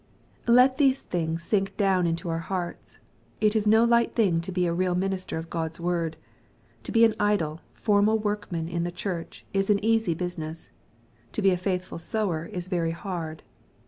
Let these things sink down into our hearts. It is no light thing to be a real minister of God's Word. To be an idle, formal workman in the Church is an easy busi ness. To be a faithful sower is very hard.